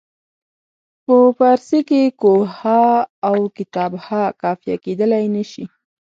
په فارسي کې کوه ها او کتاب ها قافیه کیدلای نه شي.